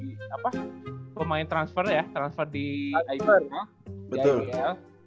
setelah itu kita bakal bahas tentang pemain transfer ya transfer di ibl